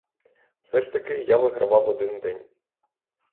Все ж таки я вигравав один день.